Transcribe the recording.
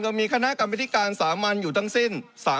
มีคณะกรรมธิการสามัญอยู่ทั้งสิ้น